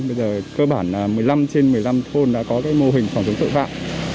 bây giờ cơ bản một mươi năm trên một mươi năm thôn đã có mô hình phòng chống tội phạm